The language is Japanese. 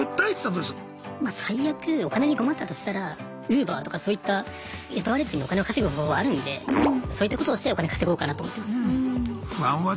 最悪お金に困ったとしたらＵｂｅｒとかそういった雇われずにお金を稼ぐ方法あるんでそういったことをしてお金稼ごうかなと思ってます。